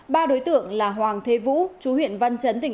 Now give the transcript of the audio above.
ba đối tượng là hoàng thế vũ chú huyện văn chấn tỉnh yên tây